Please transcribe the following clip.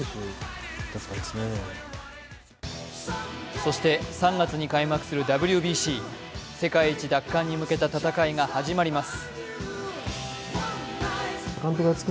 そして３月に開幕するＷＢＣ世界一奪還に向けた戦いが始まります。